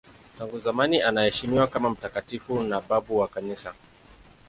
Tangu zamani anaheshimiwa kama mtakatifu na babu wa Kanisa.